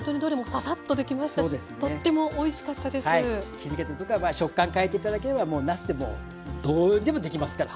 切り方とかは食感変えて頂ければなすでもうどうにでもできますから。